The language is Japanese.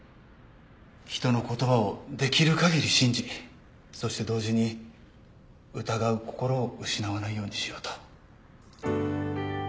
人の言葉をできる限り信じそして同時に疑う心を失わないようにしようと。